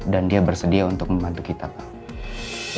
dan dia bersedia untuk membantu kita pak